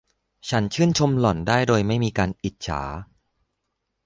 ฉันชื่นชมหล่อนได้โดยไม่มีการอิจฉา